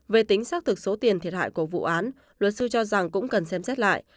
về tính xác thực số tiền thiệt hại của vụ án luật sư cho rằng cũng cần xem xét lại